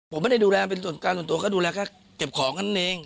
ผมไม่ได้ดูแลเป็นส่วนการส่วนตัวก็ดูแลแค่เก็บของกันเอง